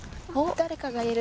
誰かがいる。